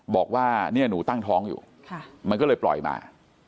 บอกว่าเนี่ยหนูตั้งท้องอยู่มันก็เลยปล่อยมา